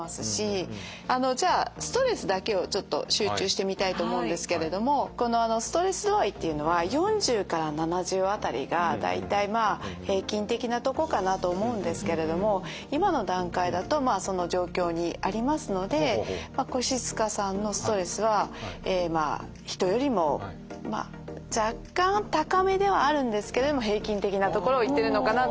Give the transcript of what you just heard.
あのじゃあストレスだけをちょっと集中して見たいと思うんですけれどもこのストレス度合いというのは４０から７０辺りが大体まあ平均的なとこかなと思うんですけれども今の段階だとその状況にありますので越塚さんのストレスは人よりもまあ若干高めではあるんですけれども平均的な所をいってるのかなと。